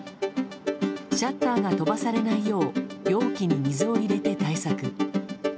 シャッターが飛ばされないよう容器に水を入れて対策。